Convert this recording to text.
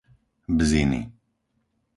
Bziny